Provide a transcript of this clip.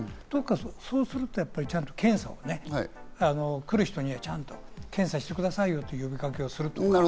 そうすると、やっぱり検査をね、来る人にはちゃんと検査してくださいよということをするとか。